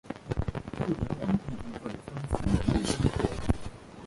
互联网必定会丰富人类生活